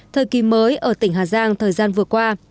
thời kỳ mới ở tỉnh hà giang thời gian vừa qua